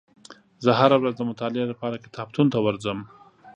زه هره ورځ د مطالعې لپاره کتابتون ته ورځم.